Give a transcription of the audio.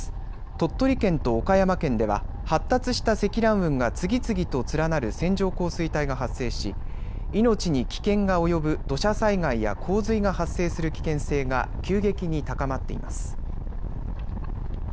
鳥取県と岡山県では発達した積乱雲が次々と連なる線状降水帯が発生し命に危険が及ぶ土砂災害や洪水が発生する危険性が急激に高まっています。